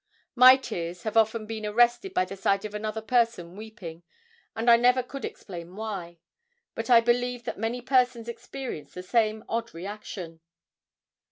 My tears have often been arrested by the sight of another person weeping, and I never could explain why. But I believe that many persons experience the same odd reaction.